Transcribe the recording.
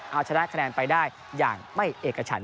เอาชนะคะแนนไปได้อย่างไม่เอกฉัน